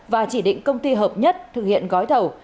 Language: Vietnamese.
và chỉ định công ty hợp nhất thực hiện gói thầu